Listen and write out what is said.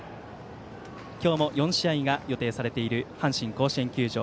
今日も４試合が予定されている阪神甲子園球場。